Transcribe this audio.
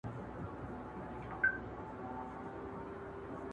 بیا یو هوټل ته لاړو